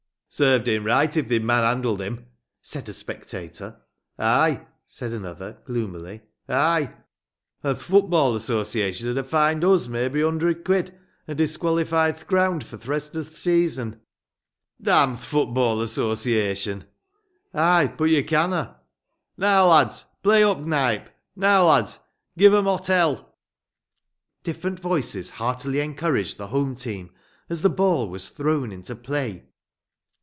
"Served him right if they'd man handled him!" said a spectator. "Ay!" said another, gloomily, "ay! And th' Football Association 'ud ha' fined us maybe a hundred quid and disqualified th' ground for the rest o' th' season!" "D n th' Football Association!" "Ay! But you canna'!" "Now, lads! Play up, Knype! Now, lads! Give 'em hot hell!" Different voices heartily encouraged the home team as the ball was thrown into play.